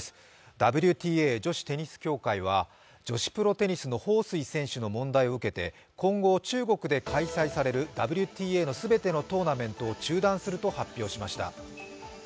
ＷＴＡ＝女子テニス協会は女子プロテニスの選手の問題を受けて今後、中国で開催されるＷＴＡのすべてのトーナメントを中断すると発表しました。